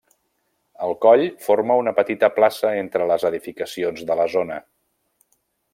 El coll forma una petita plaça entre les edificacions de la zona.